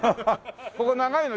ここ長いの？